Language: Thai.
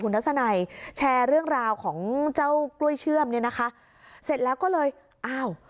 ทัศนัยแชร์เรื่องราวของเจ้ากล้วยเชื่อมเนี่ยนะคะเสร็จแล้วก็เลยอ้าว